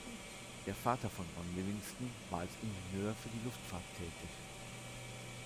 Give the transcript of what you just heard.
Der Vater von Ron Livingston war als Ingenieur für die Luftfahrt tätig.